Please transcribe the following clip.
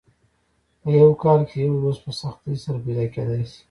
په یو کال کې یو دوست په سختۍ سره پیدا کېدای شي.